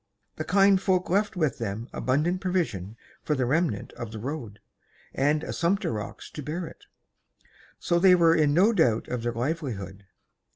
The kind folk left with them abundant provision for the remnant of the road, and a sumpter ox to bear it; so they were in no doubt of their livelihood.